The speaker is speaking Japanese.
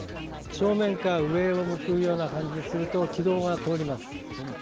正面から上を向くような感じにすると気道が通ります。